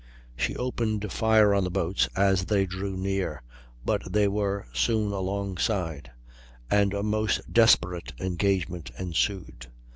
She opened fire on the boats as they drew near, but they were soon alongside, and a most desperate engagement ensued.